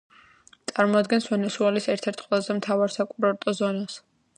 წარმოადგენს ვენესუელის ერთ-ერთ ყველაზე მთავარ საკურორტო ზონას.